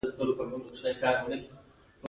ایا مصنوعي ځیرکتیا د شتمنۍ نابرابري نه زیاتوي؟